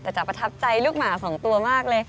แต่จะประทับใจลูกหมา๒ตัวมากเลย